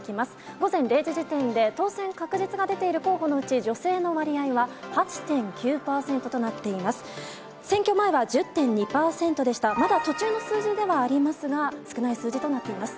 午前０時時点で、当選確実が出ている候補のうち女性の割合は、８．９％となっています。